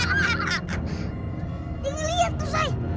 ini liat tuh say